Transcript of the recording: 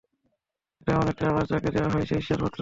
এটা এমন একটি আবাস যাকে দেয়া হয় সে ঈর্ষার পাত্র হয়।